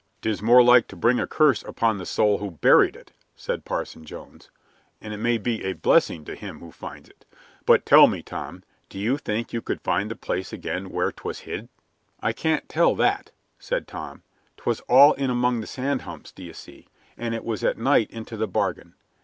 "'Tis more like to bring a curse upon the soul who buried it," said Parson Jones, "and it may be a blessing to him who finds it. But tell me, Tom, do you think you could find the place again where 'twas hid?" "I can't tell that," said Tom, "'twas all in among the sand humps, d'ye see, and it was at night into the bargain.